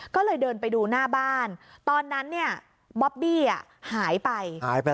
ก็เลยเดินไปดูหน้าบ้านตอนนั้นเนี่ยบอบบี้หายไป